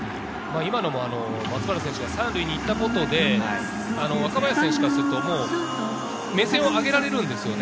松原選手が３塁に行ったことで、若林選手からすると目線を上げられるんですよね。